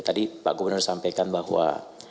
tadi pak gubernur sampaikan bahwa